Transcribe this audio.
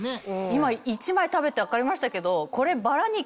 今１枚食べて分かりましたけどこれバラ肉。